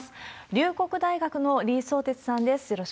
龍谷大学の李相哲さんです。